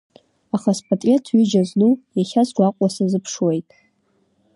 Аха спатреҭ ҩыџьа зну, иахьа сгәаҟуа сазыԥшуеит.